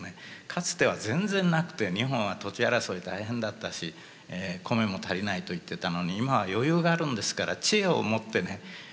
かつては全然なくて日本は土地争い大変だったし米も足りないと言ってたのに今は余裕があるんですから知恵を持ってね。